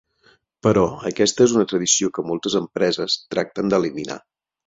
Però, aquesta és una tradició que moltes empreses tracten d'eliminar.